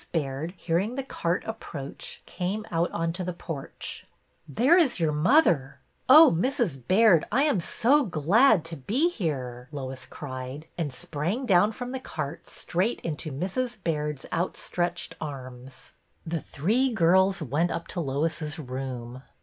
Baird, hearing the cart approach, came out on the porch. " There is your mother ! Oh, Mrs. Baird, I 6o BETTY BAIRD'S VENTURES am so glad to be here !" Lois cried, and sprang down from the cart straight into Mrs. Baird's outstretched arms. The '' three girls " went up to Lois's room.